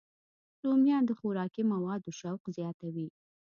رومیان د خوراکي موادو شوق زیاتوي